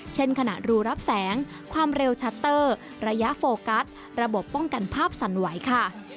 ขณะรูรับแสงความเร็วชัตเตอร์ระยะโฟกัสระบบป้องกันภาพสั่นไหวค่ะ